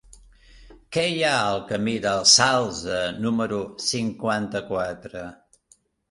Què hi ha al camí del Salze número cinquanta-quatre?